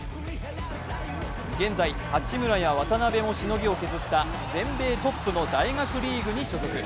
現在、八村や渡邉もしのぎを削った全米とップの大学リーグに所属。